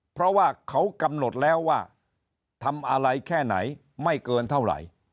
เพราะว่าเขากำหนดแล้วว่าทำอะไรแค่ไหนไม่เกินเท่าไหร่